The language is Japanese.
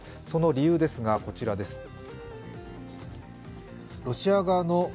その理由ですが、こちらです。